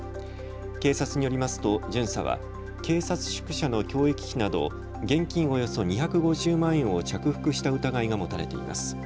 警察によりますと巡査は警察宿舎の共益費など現金およそ２５０万円を着服した疑いが持たれています。